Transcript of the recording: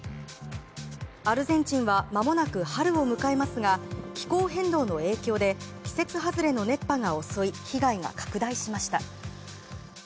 アルゼンチンはまもなく春を迎えますが気候変動の影響で季節外れの熱波が襲い被害が拡大しました。